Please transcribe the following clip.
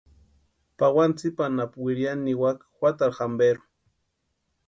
Pawani tsipa anapu wiriani niwaka juatarhu jamperu.